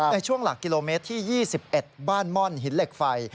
ในช่วงหลักกิโลเมตรที่๒๑บ้านม่อนหินเหล็กไฟ